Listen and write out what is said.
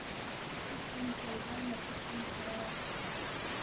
کھُوتی کھینگ تھلبہ ن٘تی کھینگ کَھرا